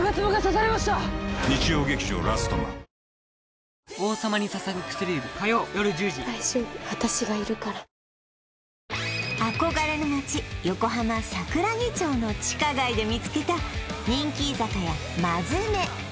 ええっしかし「このあと」憧れの街横浜・桜木町の地下街で見つけた人気居酒屋マヅメ